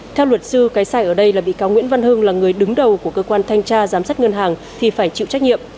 theo luật sư cái sai ở đây là bị cáo nguyễn văn hưng là người đứng đầu của cơ quan thanh tra giám sát ngân hàng thì phải chịu trách nhiệm